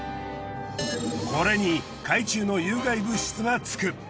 これに海中の有害物質がつく。